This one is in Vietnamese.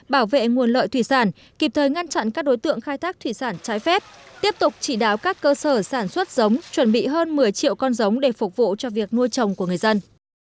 bảo vệ nguồn lợi thủy sản kịp thời ngăn chặn các đối tượng khai thác thủy sản trái phép tiếp tục chỉ đáo các cơ sở sản xuất giống chuẩn bị hơn một mươi triệu con giống để phục vụ cho việc nuôi trồng của người dân